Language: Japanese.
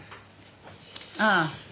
ああ。